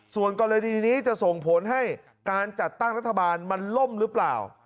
ส่วนกรณีนี้จะส่งผลให้การจัดตั้งรัฐบาลมันล่มหรือเปล่า